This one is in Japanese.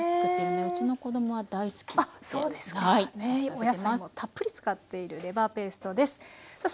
お野菜もたっぷり使っているレバーペーストです。